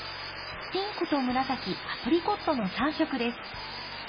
ピンクと紫アプリコットの３色です。